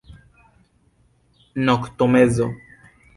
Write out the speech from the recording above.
Noktomezo.